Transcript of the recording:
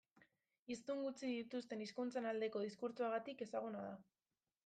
Hiztun gutxi dituzten hizkuntzen aldeko diskurtsoagatik ezaguna da.